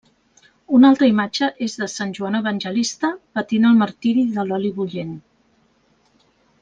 Una altra imatge és de sant Joan Evangelista, patint el martiri de l'oli bullent.